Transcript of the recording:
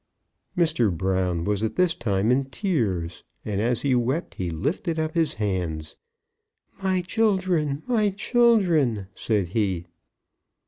Mr. Brown was at this time in tears, and as he wept he lifted up hands. "My children, my children!" said he.